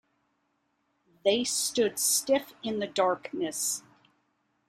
They stood stiff in the darkness.